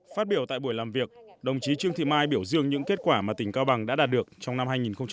phát biểu tại buổi làm việc đồng chí trương thị mai biểu dương những kết quả mà tỉnh cao bằng đã đạt được trong năm hai nghìn một mươi chín